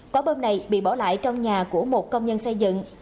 quả bom này bị bỏ lại trong nhà của một công nhân xây dựng